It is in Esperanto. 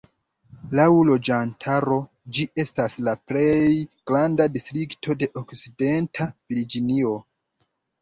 Laŭ loĝantaro ĝi estas la plej granda distrikto de Okcidenta Virginio.